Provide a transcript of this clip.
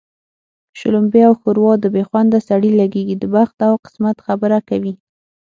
شلومبې او ښوروا د بې خونده سړي لږېږي د بخت او قسمت خبره کوي